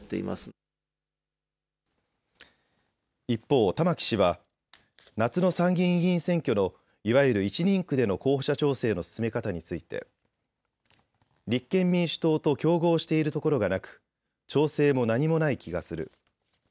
一方、玉木氏は夏の参議院議員選挙のいわゆる１人区での候補者調整の進め方について立憲民主党と競合しているところがなく調整も何もない気がする。